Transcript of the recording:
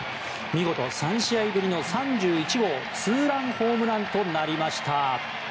見事、３試合ぶりの３１号ツーランホームランとなりました。